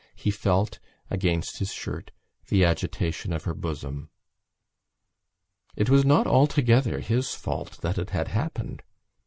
He felt against his shirt the agitation of her bosom. It was not altogether his fault that it had happened.